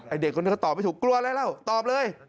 เด็กคนนี้ก็ตอบไม่ถูกกลัวอะไรแล้วตอบเลย